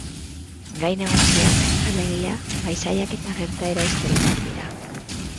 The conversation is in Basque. Gai nagusiak, alegia, paisaiak eta gertaera historikoak dira.